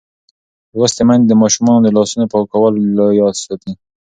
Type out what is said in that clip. لوستې میندې د ماشومانو د لاسونو پاکولو یاد ساتي.